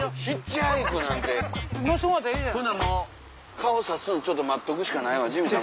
顔さすんちょっと待っとくしかないわジミーさん。